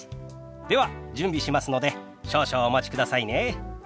では準備しますので少々お待ちくださいね。